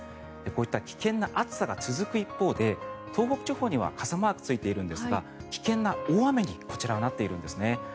こういった危険な暑さが続く一方で東北地方には傘マークがついているんですが危険な大雨にこちら、なっているんですね。